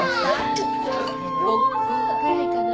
５個ぐらいかな。